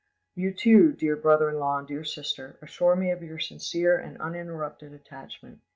"You too, dear brother in law and dear sister, assure me of your sincere and uninterrupted attachment.